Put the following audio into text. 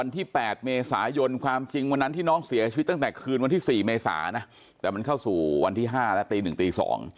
ตั้งแต่คืนวันที่๔เมษานะแต่มันเข้าสู่วันที่๕แล้วตี๑ตี๒